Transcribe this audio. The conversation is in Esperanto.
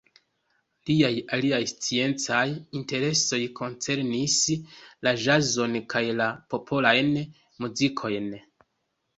Liaj aliaj sciencaj interesoj koncernis la ĵazon kaj la popolajn muzikojn.